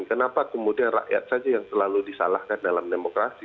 kenapa kemudian rakyat saja yang selalu disalahkan dalam demokrasi